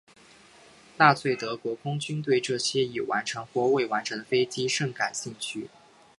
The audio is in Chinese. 纳粹德国空军对这些已完成或未完成的飞机甚感兴趣。